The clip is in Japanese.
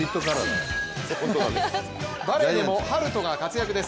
バレーでもハルトが活躍です。